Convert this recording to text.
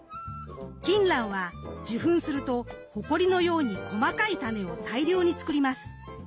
キンランは受粉するとほこりのように細かいタネを大量に作ります。